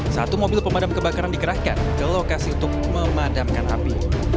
satu mobil pemadam kebakaran dikerahkan ke lokasi untuk memadamkan api